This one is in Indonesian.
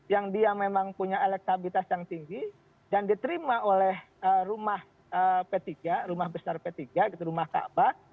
yang dia memang punya elektabilitas yang tinggi dan diterima oleh rumah p tiga rumah besar p tiga rumah kaabah